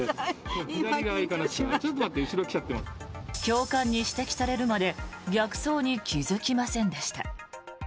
教官に指摘されるまで逆走に気付きませんでした。